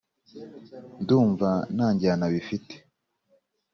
Ndumva ntanjyana bifite